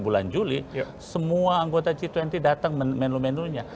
bulan juli semua anggota g dua puluh datang menlunya